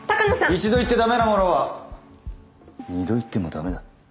一度行って駄目なものは二度行っても駄目だ。